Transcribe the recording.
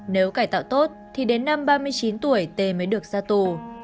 nếu cải tạo tốt thì đến năm ba mươi chín tuổi t mới được ra tù